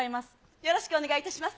よろしくお願いします。